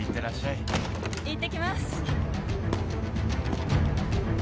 いってきます。